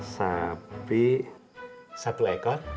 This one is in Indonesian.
sapi satu ekor